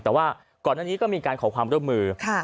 แต่ว่าก่อนหน้านี้ก็มีการขอความร่วมมือ